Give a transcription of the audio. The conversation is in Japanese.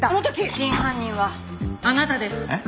真犯人はあなたです矢上課長。